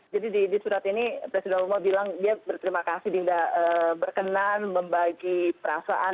jadi di surat ini presiden obama bilang dia berterima kasih dinda berkenan membagi perasaan